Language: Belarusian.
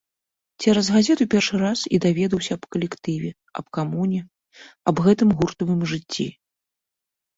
Цераз газету першы раз і даведаўся аб калектыве, аб камуне, аб гэтым гуртавым жыцці.